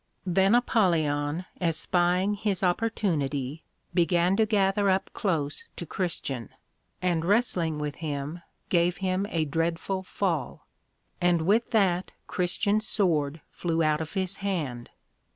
Then Apollyon espying his opportunity, began to gather up close to Christian, and wrestling with him, gave him a dreadful fall; and with that Christian's Sword flew out of his hand.